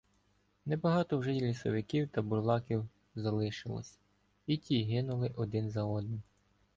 Небагато вже й лісовиків та бурлаків залишилося — і ті гинули один за одним.